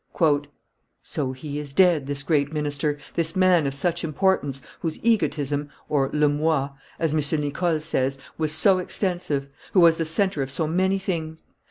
"So he is dead, this great minister, this man of such importance, whose egotism (le moi), as M. Nicole says, was so extensive, who was the centre of so many things!